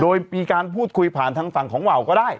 โดยมีการพูดคุยผ่านทางฝั่งของว่าวก็ได้